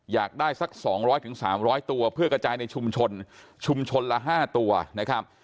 อยากได้สัก๒๐๐๓๐๐ตัวเพื่อกระจายในชุมชนชุมชนละ๕ตัวนะครับ